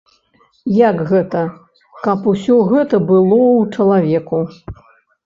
Як гэта, каб усё гэта было ў чалавеку.